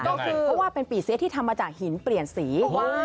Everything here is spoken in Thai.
ก็คือเพราะว่าเป็นปีเสียที่ทำมาจากหินเปลี่ยนสี